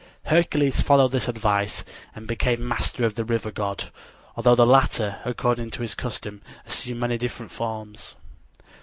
Hercules followed this advice and became master of the river god, although the latter, according to his custom, assumed many different forms.